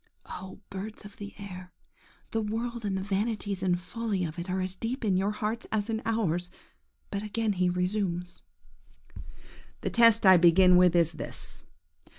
–Oh, birds of the air, the world and the vanities and follies of it are as deep in your hearts as in ours! But again he resumes– "The test I begin with is this.